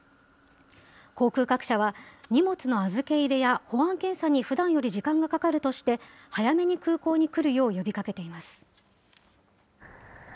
航空各社は、荷物の預け入れや、保安検査にふだんより時間がかかるとして、早めに空港に来るよう呼びかけています。